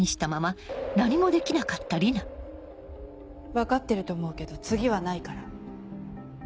分かってると思うけど次はないから。